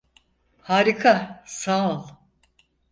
Harika, sağ ol.